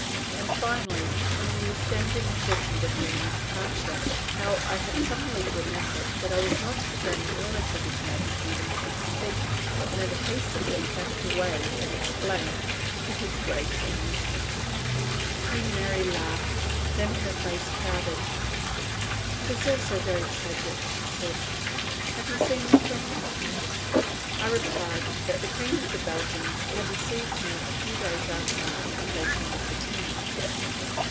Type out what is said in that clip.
And finally, when we were standing talking before my departure, how I had suddenly remembered that I was not to stand nearer to His Majesty than six feet, and had hastily backed away and explained, to his great amusement. Queen Mary laughed. Then her face clouded. "It is all so very tragic," she said. "Have you seen the Queen?" I replied that the Queen of the Belgians had received me a few days after my conversation with the King.